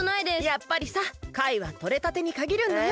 やっぱりさかいはとれたてにかぎるんだよ。